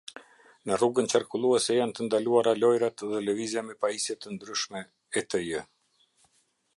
Në rrugën qarkulluese janë të ndaluara lojërat dhe lëvizja me pajise të ndryshme etj.